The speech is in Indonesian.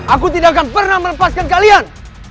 aku tidak akan pernah melepaskan kalian